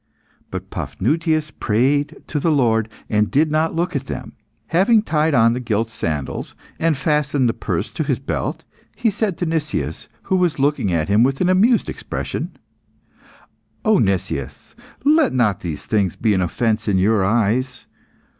But Paphnutius prayed to the Lord, and did not look at them. Having tied on the gilt sandals, and fastened the purse to his belt, he said to Nicias, who was looking at him with an amused expression "O Nicias, let not these things be an offence in your eyes.